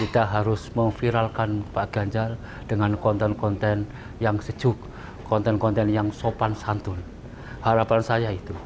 dan saya juga ingin mengucapkan kepada semua orang yang sudah menonton video ini